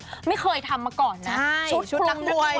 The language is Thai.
ชุดนักมวยทำมาก่อนนะ